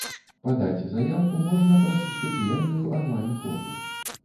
Падаць заяўку можна праз спецыяльную анлайн-форму.